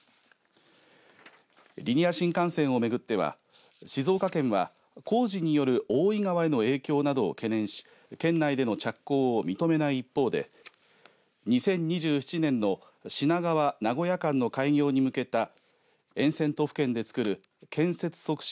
リニア新幹線を巡っては静岡県は工事による大井川への影響などを懸念し県内での着工を認めない一方で２０２７年の品川、名古屋間の開業に向けた沿線都府県でつくる建設促進